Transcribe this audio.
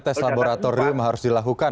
tes laboratorium harus dilakukan